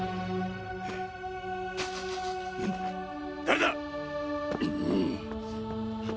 誰だ！？